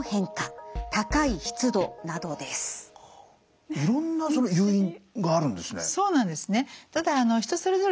いろんな誘因があるんですね。